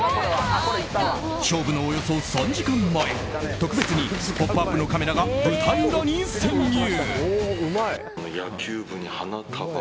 勝負の、およそ３時間前特別に「ポップＵＰ！」のカメラが舞台裏に潜入。